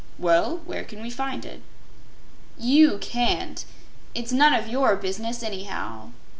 "Well, where can we find it?" "You can't. It's none of your business, anyhow.